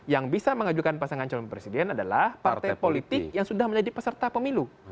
yang bisa mengajukan pasangan calon presiden adalah partai politik yang sudah menjadi peserta pemilu